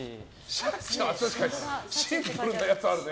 シンプルなやつあるね。